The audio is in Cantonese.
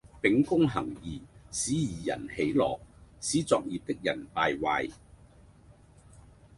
秉公行義使義人喜樂，使作孽的人敗壞